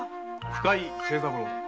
深井清三郎だ。